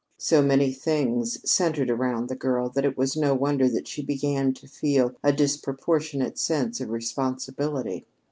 So many things centered around the girl that it was no wonder that she began to feel a disproportionate sense of responsibility.